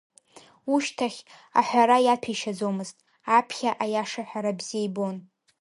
Ушьҭахь аҳәара иаҭәеишьаӡомызт, аԥхьа аиаша аҳәара бзиа ибон.